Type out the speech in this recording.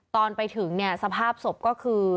ตอนไปถึงเนี่ยสภาพศพก็คือ